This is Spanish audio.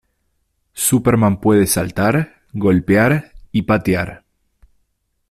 Superman puede saltar, golpear y patear.